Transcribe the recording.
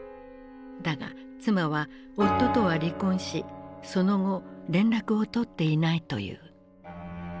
だが妻は夫とは離婚しその後連絡を取っていないという。